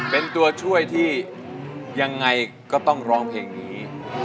เป็นตัวช่วยที่ยังไงก็ต้องร้องเพลงนี้